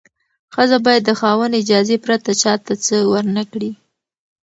ښځه باید د خاوند اجازې پرته چا ته څه ورنکړي.